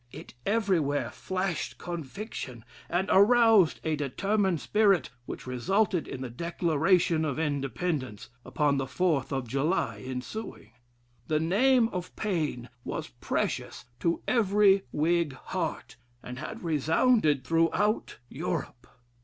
It everywhere flashed conviction, and aroused a determined spirit, which resulted in the Declaration of Independence, upon the 4th of July ensuing. The name of Paine was precious to every Whig heart, and had resounded throughout Europe."